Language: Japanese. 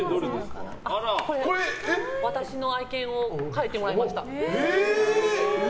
私の愛犬を描いてもらいました。